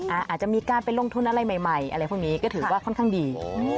อาจจะมีการไปลงทุนอะไรใหม่อะไรพวกนี้ก็ถือว่าค่อนข้างดี